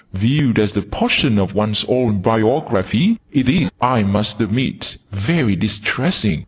Viewed as a portion of one's own biography, it is, I must admit, very distressing!"